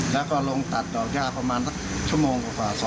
แล้วก็ลงตัดดอกญ้า๑๒ชั่วโมง